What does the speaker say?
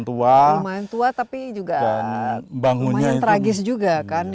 lumayan tua tapi juga lumayan tragis juga kan